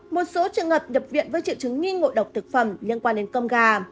một số trường hợp nhập viện với triệu chứng nghi ngộ độc thực phẩm liên quan đến cơm gà